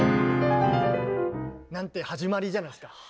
なんて始まりじゃないですか。